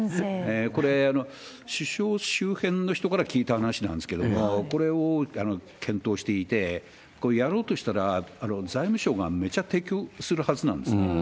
これ、首相周辺の人から聞いた話なんですけれども、これを検討していて、これ、やろうとしたら財務省がめっちゃ抵抗するはずなんですね。